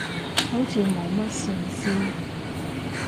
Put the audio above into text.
好似冇乜聖詩